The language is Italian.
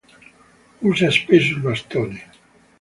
Usa spesso il bastone.